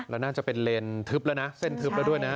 แล้วน่าจะเป็นเลนทึบแล้วนะเส้นทึบแล้วด้วยนะ